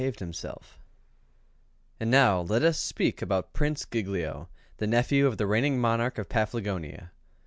And now let us speak about Prince Giglio, the nephew of the reigning monarch of Paflagonia.